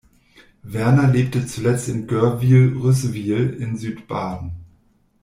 Werner lebte zuletzt in Görwihl-Rüßwihl in Südbaden.